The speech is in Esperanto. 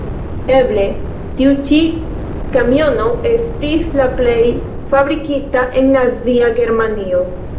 Eble, tiu ĉi kamiono estis la plej fabrikita en Nazia Germanio.